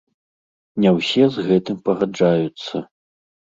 Не ўсе з гэтым пагаджаюцца.